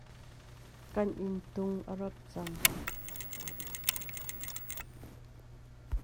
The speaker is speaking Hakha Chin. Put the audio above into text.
Kan inn tung an rop cang.